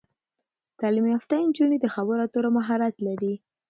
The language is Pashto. تعلیم یافته نجونې د خبرو اترو مهارت لري.